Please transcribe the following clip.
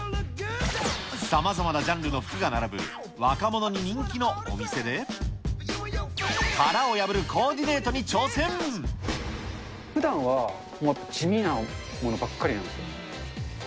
さまざまなジャンルの服が並ぶ、若者に人気のお店で、ふだんは地味なものばっかりなんですよ。